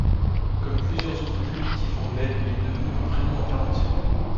Comme plusieurs autres diminutifs anglais, il est devenu un prénom à part entière.